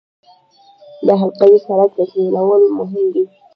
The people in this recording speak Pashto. د حلقوي سړک تکمیلول مهم دي